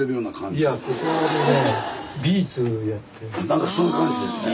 なんかそういう感じですね。